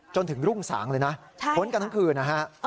จนถึงรุ่งสางเลยนะพ้นกันทั้งคืนนะฮะ